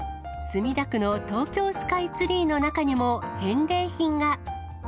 墨田区の東京スカイツリーの中にも返礼品が。